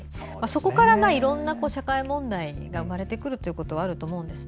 そこからいろんな社会問題が生まれてくるということはあると思います。